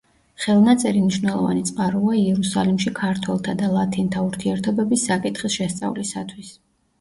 ხელნაწერი მნიშვნელოვანი წყაროა იერუსალიმში ქართველთა და ლათინთა ურთიერთობების საკითხის შესწავლისათვის.